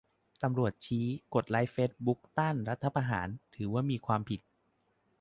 ตำรวจชี้ กดไลก์เฟซบุ๊กเพจต้านรัฐประหาร ถือว่ามีความผิด